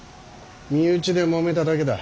身内でもめただけだ。